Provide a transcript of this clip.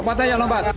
lompat aja lompat